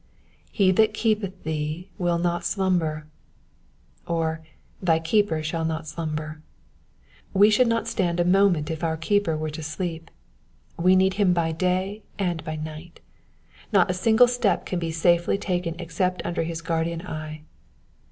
lfe that keepeth thee will not alvmber,'''— or thy keeper shall not slumber.'* We should not stand a moment if our keeper were to sleep ; we need him by day and by night ; not a single step can be safely taken except under his guardian eye.